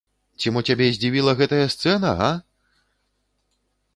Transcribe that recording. Ці мо цябе здзівіла гэтая сцэна, га?